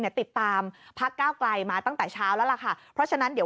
ติดตามพักเก้าไกลมาตั้งแต่เช้าแล้วล่ะค่ะเพราะฉะนั้นเดี๋ยว